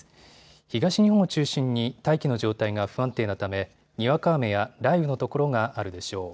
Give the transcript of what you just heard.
東日本を中心に大気の状態が不安定なため、にわか雨や雷雨の所があるでしょう。